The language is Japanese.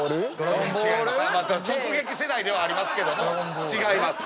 直撃世代ではありますけども違います。